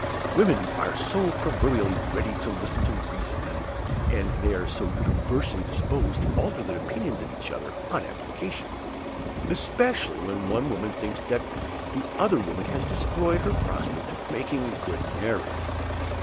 Women are so proverbially ready to listen to reason; and they are so universally disposed to alter their opinions of each other on application especially when one woman thinks that another woman has destroyed her prospect of making a good marriage.